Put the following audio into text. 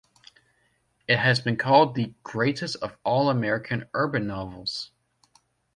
It has been called the "greatest of all American urban novels".